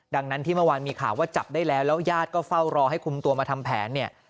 ดังนั้นที่เมื่อวานมีข่าวว่าจับได้แล้วแล้วญาติก็เฝ้ารอให้คุมตัวมาทำแผนเนี่ย